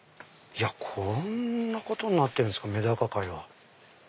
こんなことになってるんすかメダカ界は。